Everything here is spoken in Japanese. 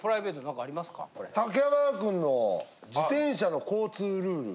竹山君の自転車の交通ルール。